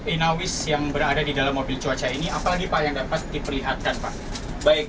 inawis yang berada di dalam mobil cuaca ini apalagi pak yang dapat diperlihatkan pak baik